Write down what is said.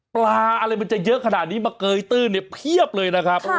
ปลาอะไรมันจะเยอะขนาดนี้มาเกยตื้นเนี่ยเพียบเลยนะครับ